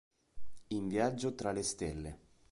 In viaggio tra le stelle